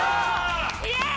イエーイ！